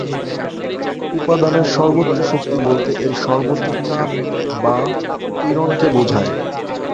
উপাদানের সর্বোচ্চ শক্তি বলতে এর সর্বোচ্চ চাপ বা পীড়ন কে বোঝায়।